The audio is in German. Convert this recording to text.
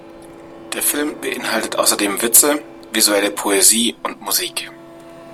Der Film beinhaltet außerdem Witze, visuelle Poesie und Musik.